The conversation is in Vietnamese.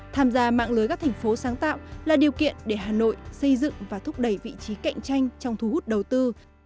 tham gia mạng lưới các thành phố sáng tạo là điều kiện để hà nội xây dựng và thúc đẩy vị trí cạnh tranh trong thu hút đầu tư